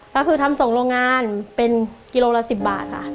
ก็คือทำส่งโรงงานเป็นกิโลละ๑๐บาทค่ะ